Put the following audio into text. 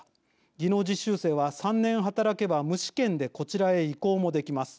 技能実習生は、３年働けば無試験でこちらへ移行もできます。